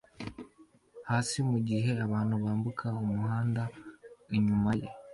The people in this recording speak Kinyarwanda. hasi mu gihe abantu bambuka umuhanda inyuma ye